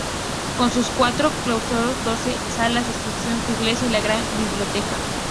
Con sus cuatro claustros, doce salas de exposición su Iglesia y la gran biblioteca.